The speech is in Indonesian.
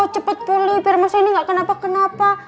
cepet pulih biar mas rendy gak kenapa kenapa